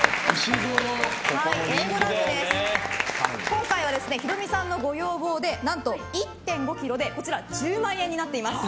今回はヒロミさんのご要望で何と１．５ｋｇで１０万円になっています。